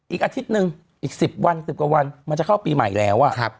อีกอาทิตย์หนึ่งอีก๑๐วัน๑๐กว่าวันมันจะเข้าปีใหม่แล้ว